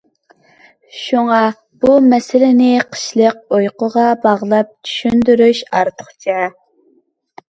شۇڭا، بۇ مەسىلىنى قىشلىق ئۇيقۇغا باغلاپ چۈشەندۈرۈش ئارتۇقچە.